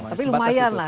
tapi lumayan lah